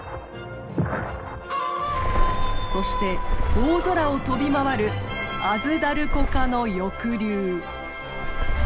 そして大空を飛び回るアズダルコ科の翼竜。